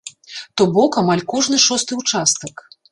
То бок амаль кожны шосты участак.